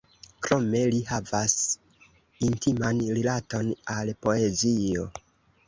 Krome li havas intiman rilaton al poezio.